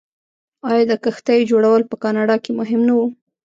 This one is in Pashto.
آیا د کښتیو جوړول په کاناډا کې مهم نه و؟